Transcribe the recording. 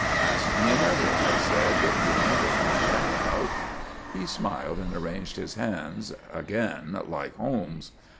"Ask me another," I said. "You'll never find that out." He smiled and arranged his hands again like Holmes.